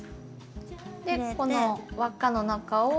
でこの輪っかの中を。